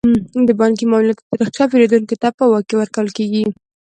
د بانکي معاملاتو تاریخچه پیرودونکو ته په واک کې ورکول کیږي.